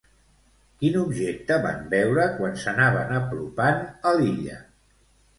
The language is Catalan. Quin objecte van veure quan s'anaven apropant a l'illa?